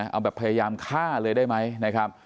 เอาแบบพยายามฆ่าเลยได้ไหมนะครับ